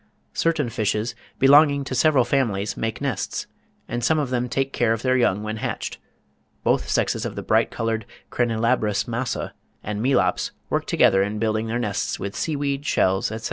Certain fishes, belonging to several families, make nests, and some of them take care of their young when hatched. Both sexes of the bright coloured Crenilabrus massa and melops work together in building their nests with sea weed, shells, etc.